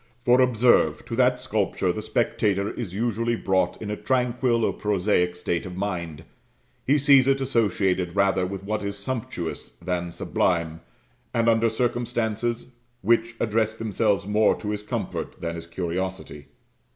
For observe, to that sculpture the spectator is usually brought in a tranquil or prosaic state of mind; he sees it associated rather with what is sumptuous than sublime, and under circumstances which address themselves more to his comfort than his curiosity.